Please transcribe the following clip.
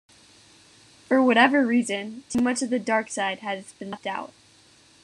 For whatever reason, too much of the dark side has been left out.